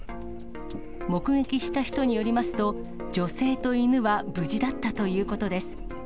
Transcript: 目撃した人によりますと、女性と犬は無事だったということです。